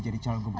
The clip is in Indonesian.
jadi calon gempa